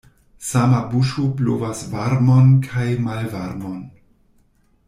Sama buŝo blovas varmon kaj malvarmon.